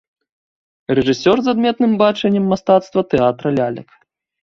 Рэжысёр з адметным бачаннем мастацтва тэатра лялек.